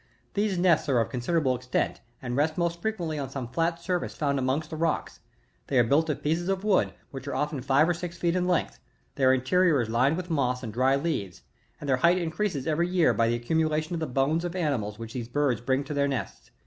These nests are of considerable extent, and rest most frequently on some flat surface found amongst the rooks ; they are built of pieces of wood, which are often five or six feet in length ; their interior is lined with moss and dry leaves; and their height increases every year by the accumulation of the bones of animals which these birds bring to their nests.